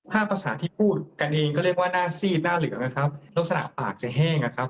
ภาษาที่พูดกันเองก็เรียกว่าหน้าซีดหน้าเหลืองนะครับลักษณะปากจะแห้งนะครับ